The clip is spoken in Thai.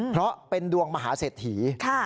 เพราะเป็นดวงมหาเสถี